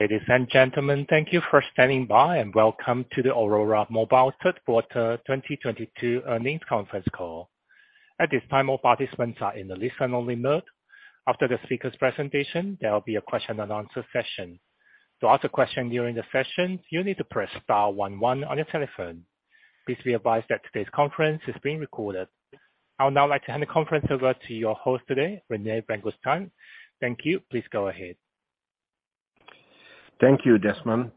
Ladies and gentlemen, thank you for standing by. Welcome to the Aurora Mobile Third Quarter 2022 Earnings Conference Call. At this time, all participants are in the listen only mode. After the speakers' presentation, there will be a question-and-answer session. To ask a question during the session, you need to press star one, one on your telephone. Please be advised that today's conference is being recorded. I would now like to hand the conference over to your host today, Rene Vanguestaine. Thank you. Please go ahead. Thank you, Desmond.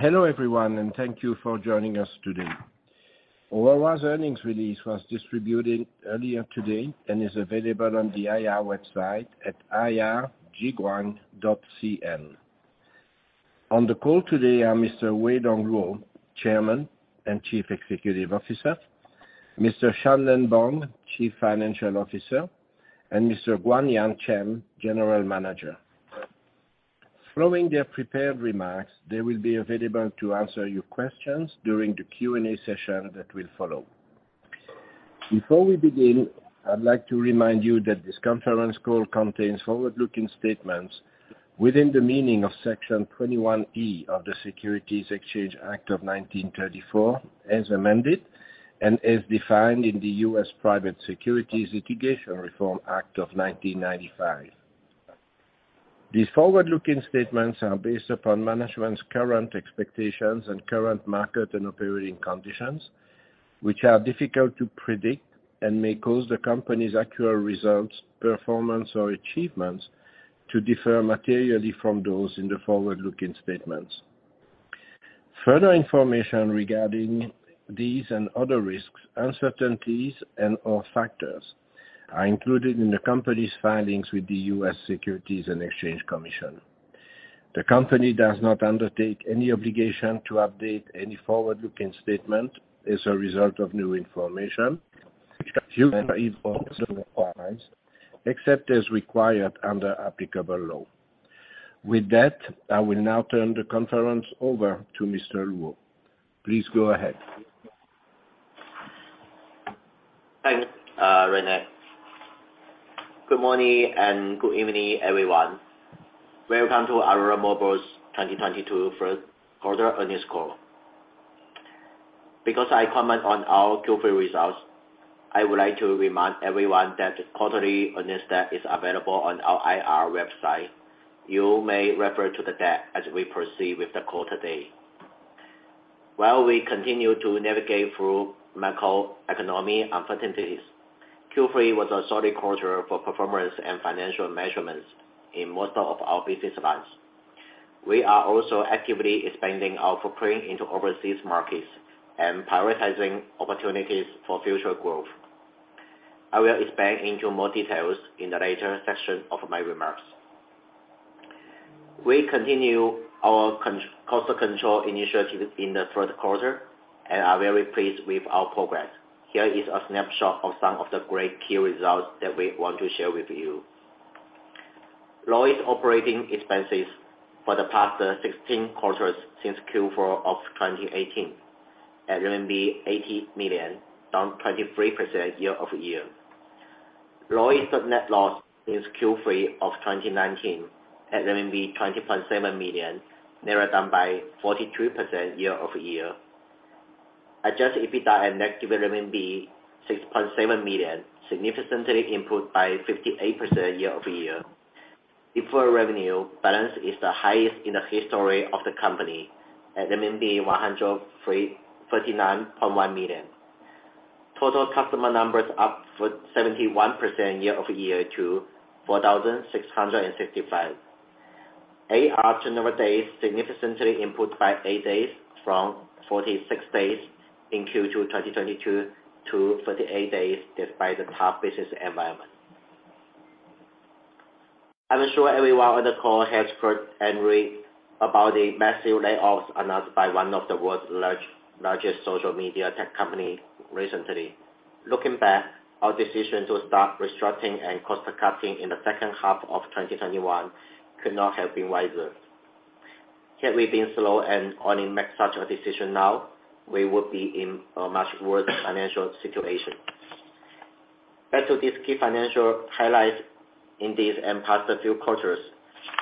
Hello, everyone, and thank you for joining us today. Aurora's earnings release was distributed earlier today and is available on the IR website at ir.jiguang.cn. On the call today are Mr. Weidong Luo, Chairman and Chief Executive Officer, Mr. Shan-Nen Bong, Chief Financial Officer, and Mr. Guangyan Chen, General Manager. Following their prepared remarks, they will be available to answer your questions during the Q&A session that will follow. Before we begin, I'd like to remind you that this conference call contains forward-looking statements within the meaning of Section 21E of the Securities Exchange Act of 1934, as amended, and as defined in the US Private Securities Litigation Reform Act of 1995. These forward-looking statements are based upon management's current expectations and current market and operating conditions, which are difficult to predict and may cause the company's actual results, performance, or achievements to differ materially from those in the forward-looking statements. Further information regarding these and other risks, uncertainties, and/or factors are included in the company's filings with the US Securities and Exchange Commission. The company does not undertake any obligation to update any forward-looking statement as a result of new information, except as required under applicable law. With that, I will now turn the conference over to Mr. Luo. Please go ahead. Thanks, Rene. Good morning and good evening, everyone. Welcome to Aurora Mobile's 2022 first quarter earnings call. I comment on our third quarter results, I would like to remind everyone that the quarterly earnings deck is available on our IR website. You may refer to the deck as we proceed with the call today. While we continue to navigate through macroeconomic uncertainties, third qarter was a solid quarter for performance and financial measurements in most of our business lines. We are also actively expanding our footprint into overseas markets and prioritizing opportunities for future growth. I will expand into more details in the later section of my remarks. We continue our cost control initiative in the third quarter and are very pleased with our progress. Here is a snapshot of some of the great key results that we want to share with you. Lowest operating expenses for the past 16 quarters since fourth quarter of 2018 at RMB 80 million, down 23% year-over-year. Lowest net loss since third quarter of 2019 at RMB 20.7 million, narrowed down by 42% year-over-year. Adjusted EBITDA at negative 6.7 million, significantly improved by 58% year-over-year. Deferred revenue balance is the highest in the history of the company at 39.1 million. Total customer numbers up for 71% year-over-year to 4,665. AR turnover days significantly improved by 8 days from 46 days in second quarter 2022 to 38 days despite the tough business environment. I'm sure everyone on the call has heard and read about the massive layoffs announced by one of the world's largest social media tech company recently. Looking back, our decision to start restructuring and cost cutting in the second half of 2021 could not have been wiser. Had we been slow and only make such a decision now, we would be in a much worse financial situation. Back to these key financial highlights in this and past few quarters.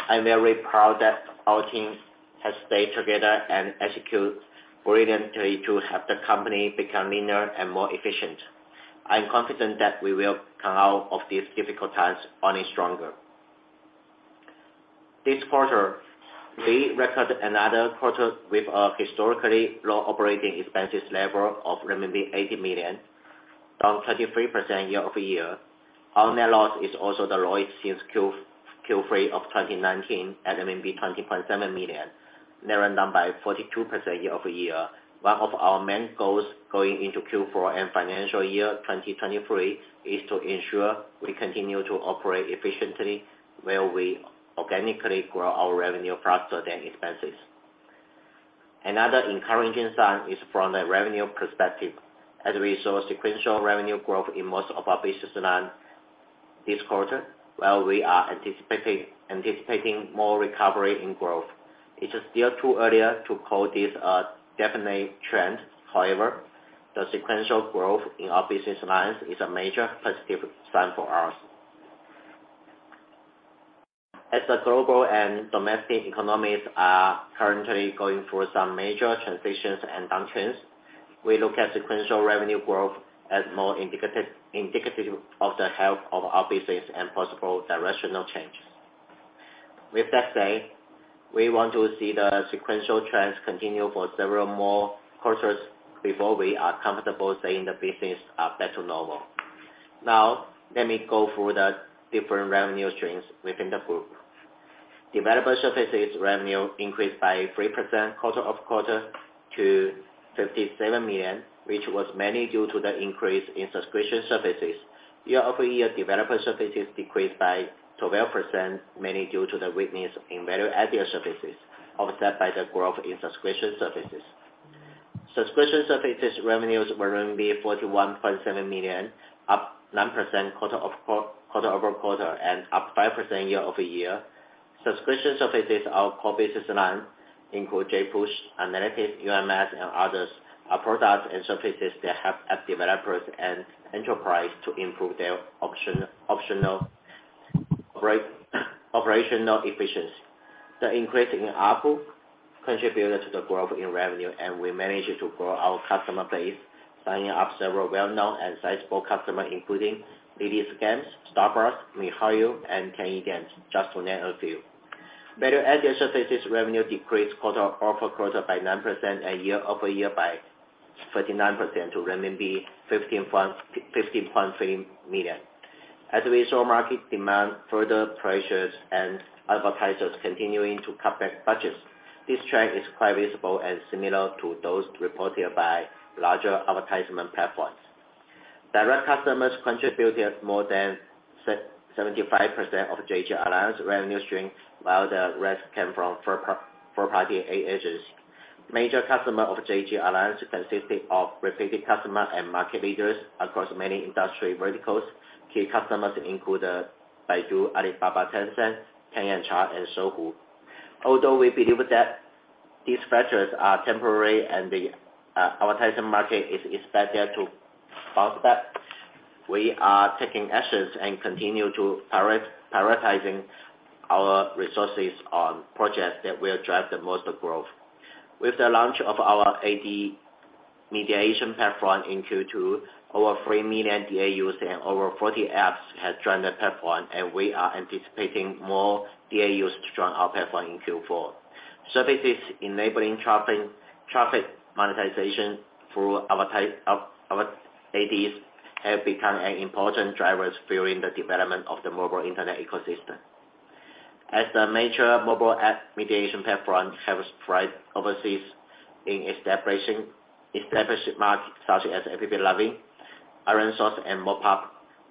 I'm very proud that our team has stayed together and execute brilliantly to help the company become leaner and more efficient. I'm confident that we will come out of these difficult times only stronger. This quarter, we recorded another quarter with a historically low operating expenses level of 80 million, down 33% year-over-year. Our net loss is also the lowest since third quarter of 2019 at 20.7 million, narrowed down by 42% year-over-year. One of our main goals going into fourth quarter and financial year 2023 is to ensure we continue to operate efficiently, where we organically grow our revenue faster than expenses. Another encouraging sign is from the revenue perspective, as we saw sequential revenue growth in most of our business line this quarter, while we are anticipating more recovery in growth. It is still too earlier to call this a definite trend, however. The sequential growth in our business lines is a major positive sign for us. As the global and domestic economies are currently going through some major transitions and downturns, we look at sequential revenue growth as more indicative of the health of our business and possible directional changes. With that said, we want to see the sequential trends continue for several more quarters before we are comfortable saying the business are back to normal. Let me go through the different revenue streams within the group. Developer services revenue increased by 3% quarter-over-quarter to 57 million, which was mainly due to the increase in subscription services. Year-over-year developer services decreased by 12%, mainly due to the weakness in value-added services, offset by the growth in subscription services. Subscription services revenues were 41.7 million, up 9% quarter-over-quarter, and up 5% year-over-year. Subscription services, our core business line include JPush, Analytics, UMS, and others, are products and services that help app developers and enterprise to improve their operational efficiency. The increase in ARPU contributed to the growth in revenue, and we managed to grow our customer base, signing up several well-known and sizable customers, including Lilith Games, Starbucks, miHoYo, and Tenjin Games, just to name a few. Value-added services revenue decreased quarter-over-quarter by 9% and year-over-year by 39% to renminbi 15.3 million. We saw market demand further pressures and advertisers continuing to cut back budgets, this trend is quite visible and similar to those reported by larger advertisement platforms. Direct customers contributed more than 75% of JG Alliance revenue stream, while the rest came from third-party agencies. Major customer of JG Alliance consisted of repeated customer and market leaders across many industry verticals. Key customers include Baidu, Alibaba, Tencent, Tianyancha, and Sohu. We believe that these factors are temporary and the advertising market is expected to bounce back, we are taking actions and continue to prioritizing our resources on projects that will drive the most growth. With the launch of our ad mediation platform in second quarter, over 3 million DAUs and over 40 apps have joined the platform, and we are anticipating more DAUs to join our platform in fourth quarter. Services enabling traffic monetization through ads have become an important drivers fueling the development of the mobile internet ecosystem. As the major mobile app mediation platform have thrived overseas in establishing, established markets such as AppLovin, ironSource, and MoPub,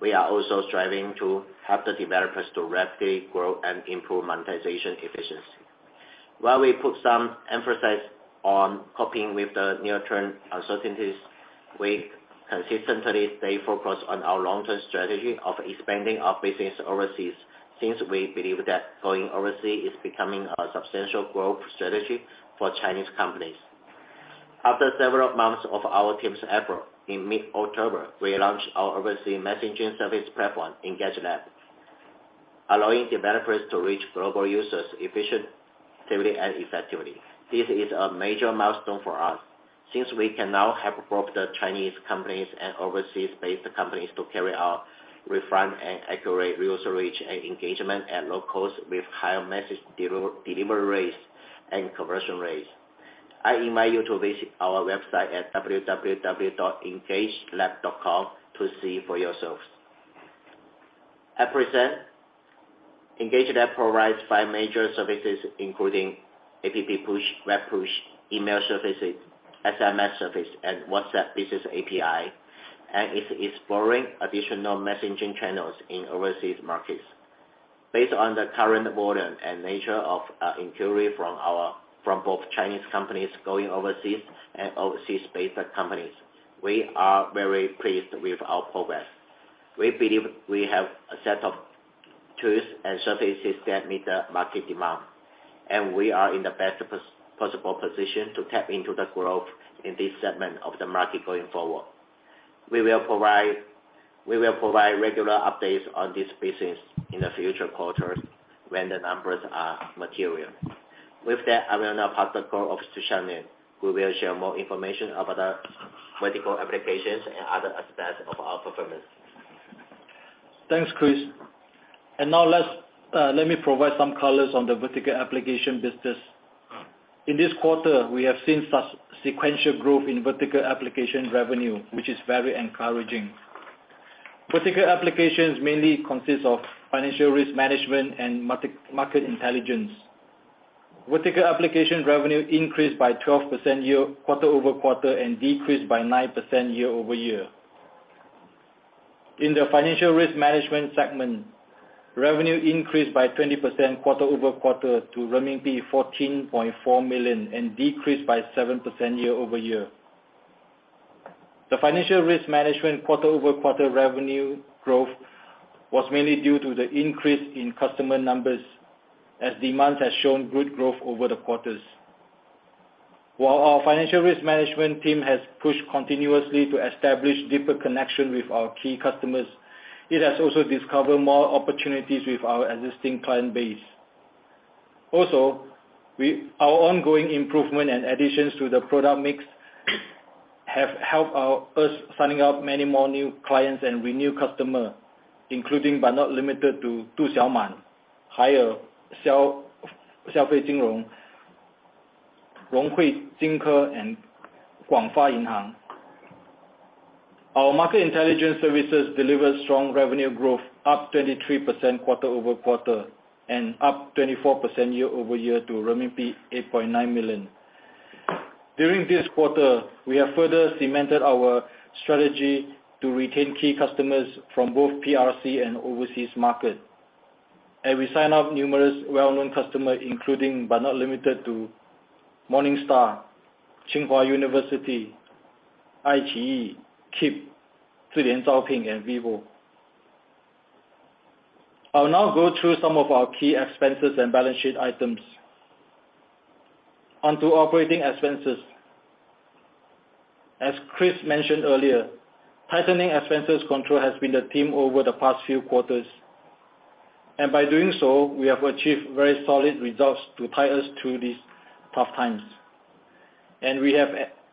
we are also striving to help the developers to rapidly grow and improve monetization efficiency. While we put some emphasis on coping with the near-term uncertainties, we consistently stay focused on our long-term strategy of expanding our business overseas since we believe that going overseas is becoming a substantial growth strategy for Chinese companies. After several months of our team's effort, in mid-October, we launched our overseas messaging service platform, EngageLab, allowing developers to reach global users efficiently and effectively. This is a major milestone for us since we can now help both Chinese companies and overseas-based companies to carry out refined and accurate user reach and engagement at low cost with higher message delivery rates and conversion rates. I invite you to visit our website at www.engagelab.com to see for yourselves. At present, EngageLab provides five major services including app push, web push, email services, SMS service, and WhatsApp business API, and is exploring additional messaging channels in overseas markets. Based on the current volume and nature of our inquiry from both Chinese companies going overseas and overseas-based companies, we are very pleased with our progress. We believe we have a set of tools and services that meet the market demand. We are in the best possible position to tap into the growth in this segment of the market going forward. We will provide regular updates on this business in the future quarters when the numbers are material. With that, I will now pass the call off to Shan-Nen, who will share more information about the vertical applications and other aspects of our performance. Thanks, Chris. Now let me provide some colors on the vertical application business. In this quarter, we have seen sub-sequential growth in vertical application revenue, which is very encouraging. Vertical applications mainly consist of financial risk management and market intelligence. Vertical application revenue increased by 12% year quarter over quarter and decreased by 9% year-over-year. In the financial risk management segment, revenue increased by 20% quarter-over-quarter to renminbi 14.4 million, and decreased by 7% year-over-year. The financial risk management quarter-over-quarter revenue growth was mainly due to the increase in customer numbers as demands has shown good growth over the quarters. While our financial risk management team has pushed continuously to establish deeper connection with our key customers, it has also discovered more opportunities with our existing client base. Our ongoing improvement and additions to the product mix have helped us signing up many more new clients and renew customer, including but not limited to, Du Xiaoman, Haiyao, Xiaofeixiong, Ronghui, Jinke, and Guangfa Bank. Our market intelligence services delivered strong revenue growth, up 23% quarter-over-quarter, and up 24% year-over-year to RMB 8.9 million. During this quarter, we have further cemented our strategy to retain key customers from both PRC and overseas market, we sign up numerous well-known customer, including but not limited to Morningstar, Tsinghua University, iQIYI, Keep, Zhaopin, and vivo. I'll now go through some of our key expenses and balance sheet items. Onto operating expenses. As Chris mentioned earlier, tightening expenses control has been the theme over the past few quarters. By doing so, we have achieved very solid results to tie us through these tough times.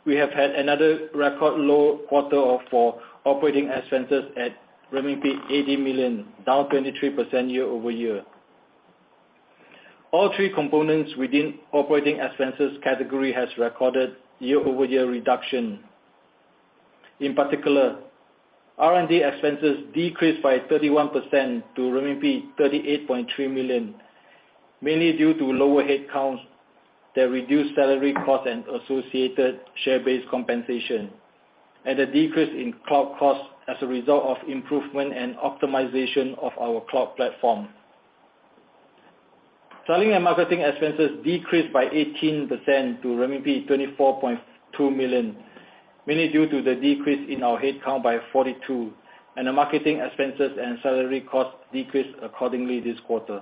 We have had another record low quarter for operating expenses at 80 million, down 23% year-over-year. All three components within operating expenses category has recorded year-over-year reduction. In particular, R&D expenses decreased by 31% to RMB 38.3 million, mainly due to lower headcounts that reduced salary costs and associated share-based compensation, and a decrease in cloud costs as a result of improvement and optimization of our cloud platform. Selling and marketing expenses decreased by 18% to RMB 24.2 million, mainly due to the decrease in our headcount by 42, and the marketing expenses and salary costs decreased accordingly this quarter.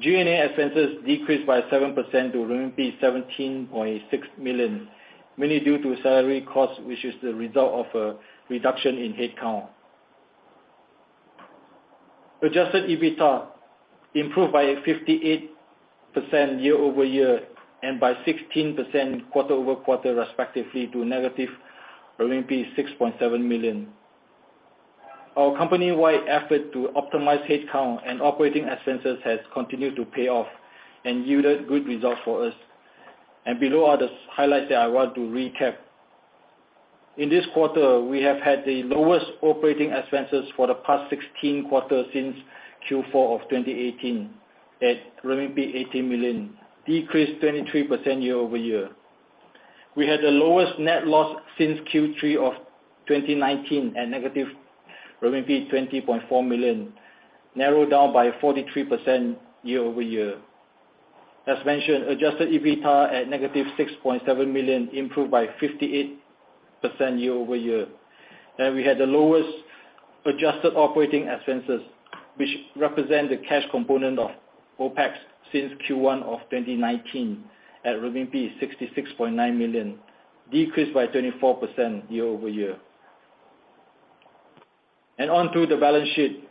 G&A expenses decreased by 7% to RMB 17.6 million, mainly due to salary costs, which is the result of a reduction in headcount. Adjusted EBITDA improved by 58% year-over-year and by 16% quarter-over-quarter respectively to negative RMB 6.7 million. Our company-wide effort to optimize headcount and operating expenses has continued to pay off and yielded good results for us. Below are the highlights that I want to recap. In this quarter, we have had the lowest operating expenses for the past 16 quarters since fourth quarter of 2018 at RMB 80 million, decreased 23% year-over-year. We had the lowest net loss since third quarter of 2019 at negative 20.4 million, narrowed down by 43% year-over-year. As mentioned, adjusted EBITDA at negative 6.7 million improved by 58% year-over-year. We had the lowest adjusted operating expenses, which represent the cash component of OpEx since first quarter of 2019 at 66.9 million, decreased by 24% year-over-year. On to the balance sheet.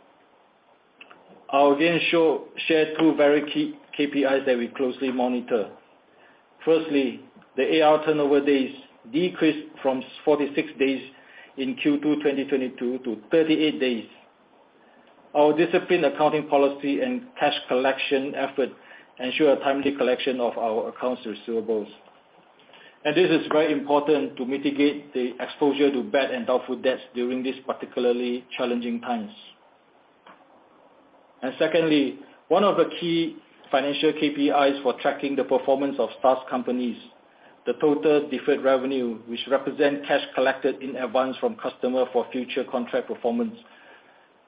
I'll again share two very key KPIs that we closely monitor. Firstly, the AR turnover days decreased from 46 days in second quarter, 2022 to 38 days. Our disciplined accounting policy and cash collection effort ensure a timely collection of our accounts receivables. This is very important to mitigate the exposure to bad and doubtful debts during these particularly challenging times. Secondly, one of the key financial KPIs for tracking the performance of SaaS companies, the total deferred revenue, which represent cash collected in advance from customer for future contract performance.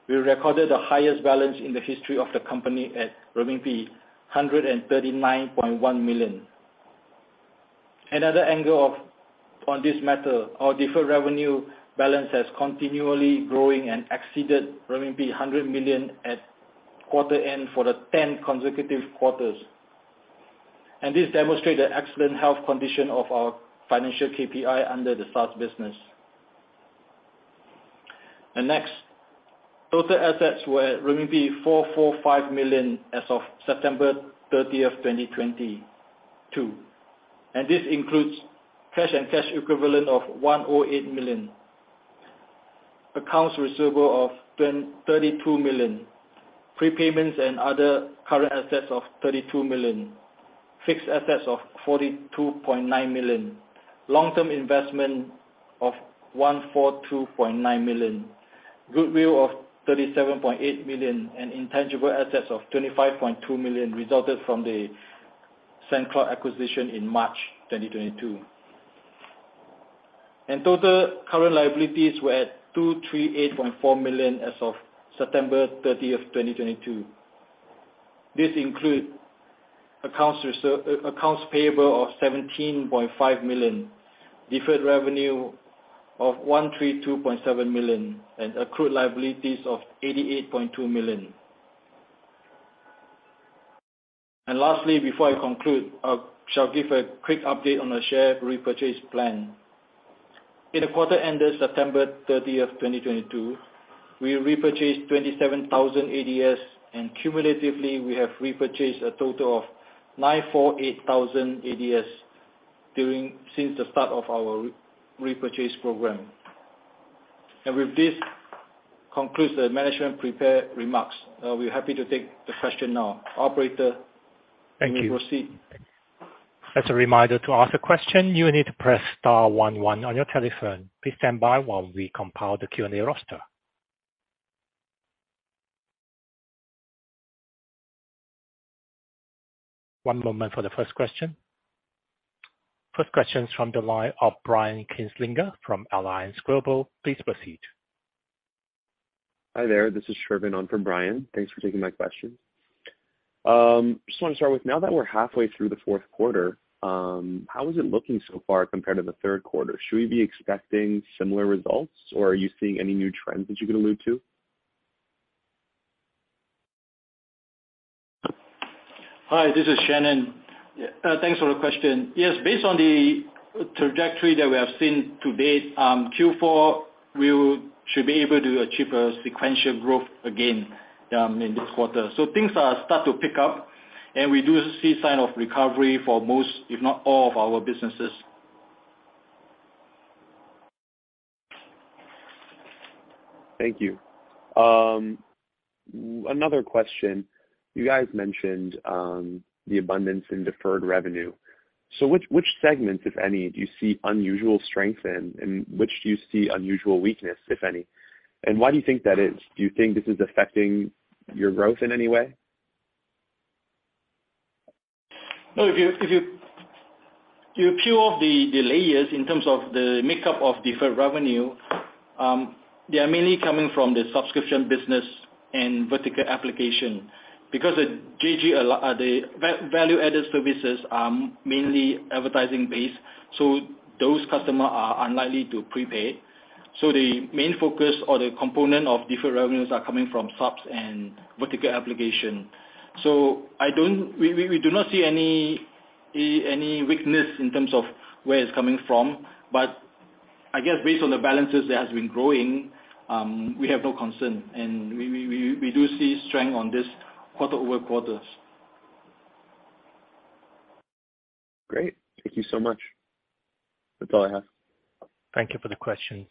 We recorded the highest balance in the history of the company at 139.1 million. Another angle on this matter, our deferred revenue balance has continually growing and exceeded renminbi 100 million at quarter end for the 10 consecutive quarters. This demonstrate the excellent health condition of our financial KPI under the SaaS business. Next, total assets were RMB 445 million as of 30 September 2022, this includes cash and cash equivalent of 108 million, accounts receivable of 32 million, prepayments and other current assets of 32 million, fixed assets of 42.9 million, long-term investment of 142.9 million, goodwill of 37.8 million, and intangible assets of 25.2 million resulted from the SendCloud acquisition in March 2022. Total current liabilities were at 238.4 million as of 30 September 2022. This include accounts payable of 17.5 million, deferred revenue of 132.7 million, and accrued liabilities of 88.2 million. Lastly, before I conclude, shall give a quick update on our share repurchase plan. In the quarter ended 30 September 2022, we repurchased 27,000 ADS, and cumulatively we have repurchased a total of 948,000 ADS since the start of our re-repurchase program. With this concludes the management prepared remarks. We're happy to take the question now. Operator... Thank you... You may proceed. As a reminder, to ask a question, you need to press star one, one on your telephone. Please stand by while we compile the Q&A roster. One moment for the first question. First question's from the line of Brian Kinstlinger from Alliance Global. Please proceed. Hi there, this is Sherman on from Brian. Thanks for taking my question. Just wanna start with, now that we're halfway through the fourth quarter, how is it looking so far compared to the third quarter? Should we be expecting similar results, or are you seeing any new trends that you can allude to? Hi, this is Sherman. Thanks for the question. Yes, based on the trajectory that we have seen to date, fourth quarter we should be able to achieve a sequential growth again, in this quarter. Things are start to pick up, and we do see sign of recovery for most, if not all, of our businesses. Thank you. Another question. You guys mentioned, the abundance in deferred revenue. Which segment, if any, do you see unusual strength in, and which do you see unusual weakness, if any? Why do you think that is? Do you think this is affecting your growth in any way? No. If you peel off the layers in terms of the makeup of deferred revenue, they are mainly coming from the subscription business and vertical application. At JG Alliance, the value-added services are mainly advertising based, so those customer are unlikely to prepay. The main focus or the component of deferred revenues are coming from subs and vertical application. We do not see any weakness in terms of where it's coming from, but I guess based on the balances that has been growing, we have no concern. We do see strength on this quarter-over-quarter. Great. Thank you so much. That's all I have. Thank you for the questions.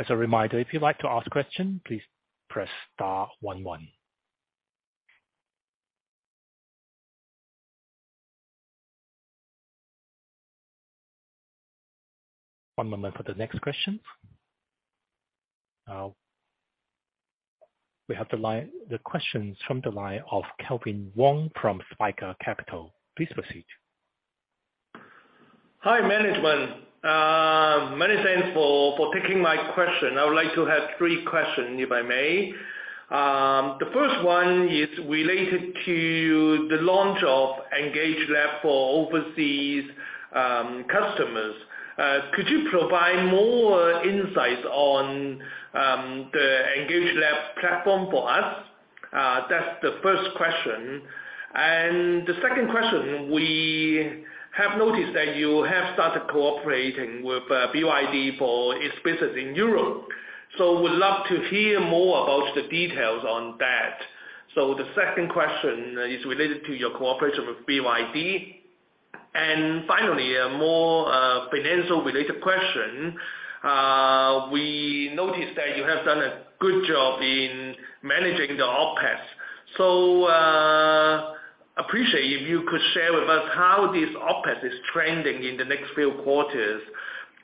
As a reminder, if you'd like to ask question, please press star one, one. One moment for the next question. We have the line, the question's from the line of Calvin Wong from Spica Capital. Please proceed. Hi, management. Many thanks for taking my question. I would like to have three questions, if I may. The first one is related to the launch of EngageLab for overseas customers. Could you provide more insight on the EngageLab platform for us? That's the first question. The second question, we have noticed that you have started cooperating with BYD for its business in Europe, so would love to hear more about the details on that. The second question is related to your cooperation with BYD. Finally, a more financial related question. We noticed that you have done a good job in managing the OpEx. Appreciate if you could share with us how this OpEx is trending in the next few quarters.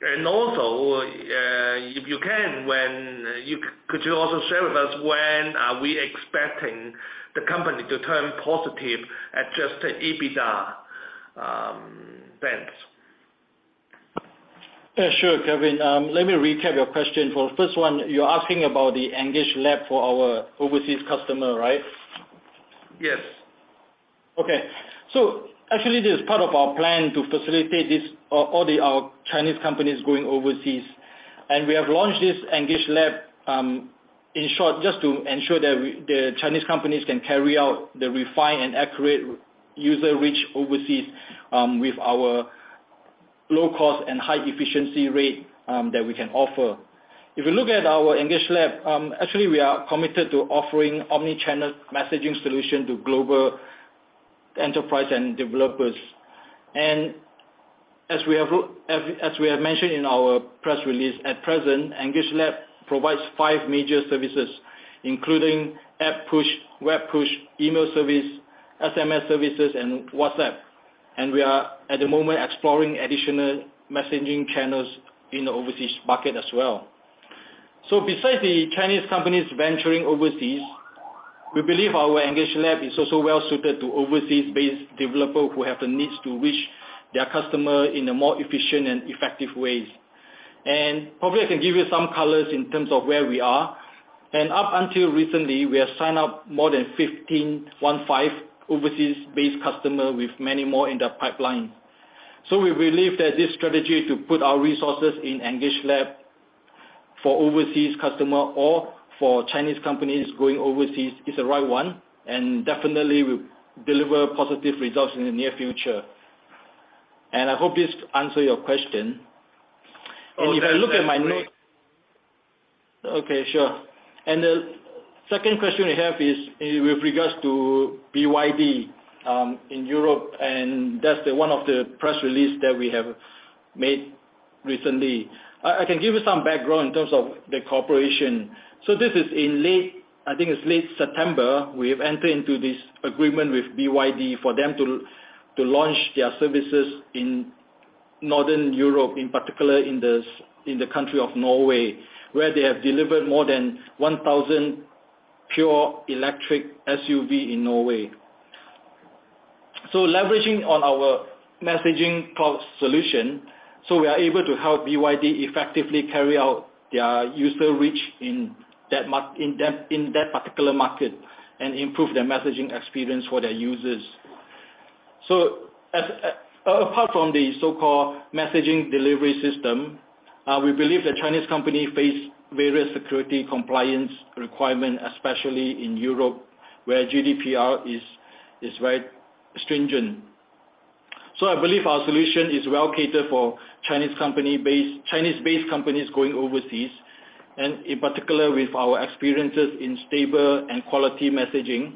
If you can, when you could you also share with us, when are we expecting the company to turn positive adjusted EBITDA, sense? Yeah, sure, Calvin. Let me recap your question. For the first one, you're asking about the EngageLab for our overseas customer, right? Yes. Actually this is part of our plan to facilitate our Chinese companies going overseas. We have launched this EngageLab in short just to ensure that we, the Chinese companies can carry out the refined and accurate user reach overseas with our low cost and high efficiency rate that we can offer. If you look at our EngageLab, actually we are committed to offering omni-channel messaging solution to global enterprise and developers. As we have mentioned in our press release, at present, EngageLab provides five major services, including app push, web push, email service, SMS services, and WhatsApp. We are, at the moment, exploring additional messaging channels in the overseas market as well. Besides the Chinese companies venturing overseas, we believe our EngageLab is also well suited to overseas-based developers who have the needs to reach their customers in a more efficient and effective ways. Probably I can give you some colors in terms of where we are. Up until recently, we have signed up more than 15 overseas-based customers with many more in the pipeline. We believe that this strategy to put our resources in EngageLab for overseas customers or for Chinese companies going overseas is the right one, and definitely will deliver positive results in the near future. I hope this answer your question. Oh, that... If you look at my note... Okay, sure. The second question you have is with regards to BYD in Europe, and that's the one of the press release that we have made recently. I can give you some background in terms of the cooperation. This is in late, I think it's late September, we have entered into this agreement with BYD for them to launch their services in Northern Europe, in particular in the country of Norway, where they have delivered more than 1,000 pure electric SUV in Norway. Leveraging on our messaging cloud solution, we are able to help BYD effectively carry out their user reach in that particular market and improve their messaging experience for their users. As, apart from the so-called messaging delivery system, we believe the Chinese company face various security compliance requirement, especially in Europe, where GDPR is very stringent. I believe our solution is well catered for Chinese company-based, Chinese-based companies going overseas, and in particular with our experiences in stable and quality messaging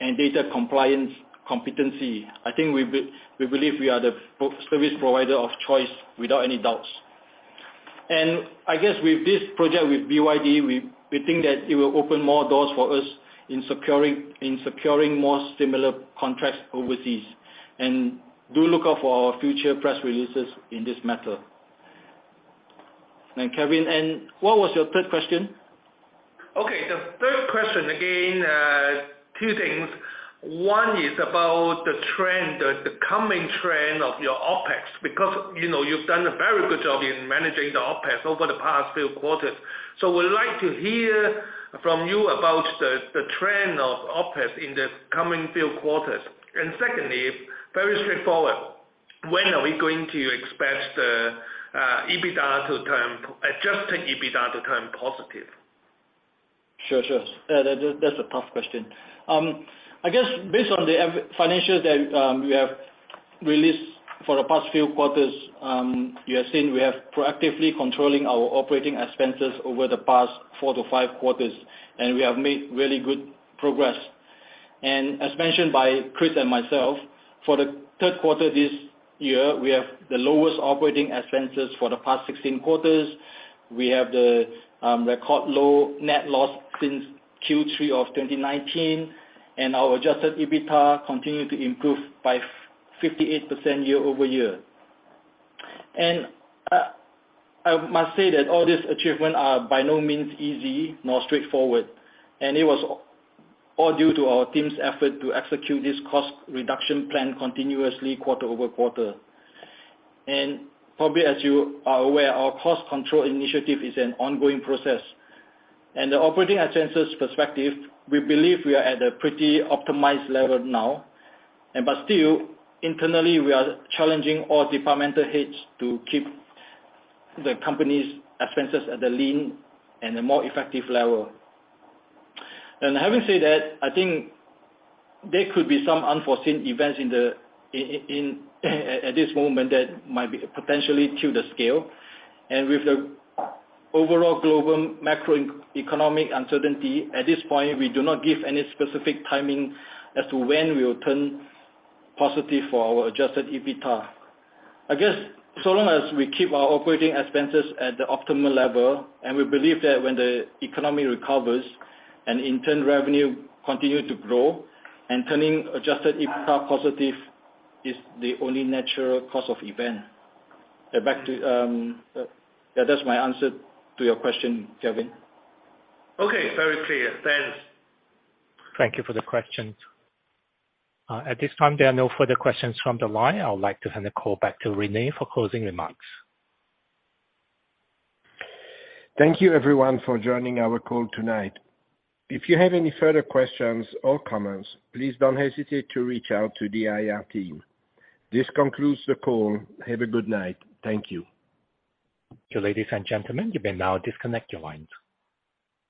and data compliance competency. I think we believe we are the pro-service provider of choice without any doubts. I guess with this project with BYD, we think that it will open more doors for us in securing more similar contracts overseas, and do look out for our future press releases in this matter. Calvin, what was your third question? Okay. The third question, again, two things. One is about the trend, the coming trend of your OpEx. Because, you know, you've done a very good job in managing the OpEx over the past few quarters. We'd like to hear from you about the trend of OpEx in the coming few quarters. Secondly, very straightforward, when are we going to expect the EBITDA to turn, adjusted EBITDA to turn positive? Sure, sure. Yeah, that's a tough question. I guess based on the financials that we have released for the past few quarters, you have seen we have proactively controlling our operating expenses over the past four to five quarters, and we have made really good progress. As mentioned by Chris and myself, for the third quarter this year, we have the lowest operating expenses for the past 16 quarters. We have the record low net loss since third quarter of 2019. Our adjusted EBITDA continue to improve by 58% year-over-year. I must say that all these achievement are by no means easy nor straightforward, and it was all due to our team's effort to execute this cost reduction plan continuously quarter-over-quarter. Probably as you are aware, our cost control initiative is an ongoing process. The operating expenses perspective, we believe we are at a pretty optimized level now. Still, internally, we are challenging all departmental heads to keep the company's expenses at the lean and a more effective level. Having said that, I think there could be some unforeseen events at this moment that might potentially tilt the scale. With the overall global macroeconomic uncertainty, at this point, we do not give any specific timing as to when we'll turn positive for our adjusted EBITDA. I guess, so long as we keep our operating expenses at the optimal level, and we believe that when the economy recovers, and in turn revenue continue to grow, and turning adjusted EBITDA positive is the only natural course of event. Back to, yeah, that's my answer to your question, Calvin. Okay, very clear. Thanks. Thank you for the questions. At this time, there are no further questions from the line. I would like to hand the call back to Rene for closing remarks. Thank you everyone for joining our call tonight. If you have any further questions or comments, please don't hesitate to reach out to the IR team. This concludes the call. Have a good night. Thank you. Thank you, ladies and gentlemen. You may now disconnect your lines.